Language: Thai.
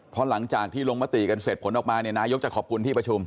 เพราะหลังจากที่ลงมติกันเสร็จผลออกมาเนี่ยนายกจะขอบคุณที่ประชุม